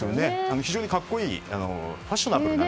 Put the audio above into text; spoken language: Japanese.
非常に格好いいファッショナブルなね。